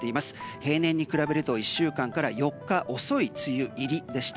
平年に比べると１週間から４日遅い梅雨入りでした。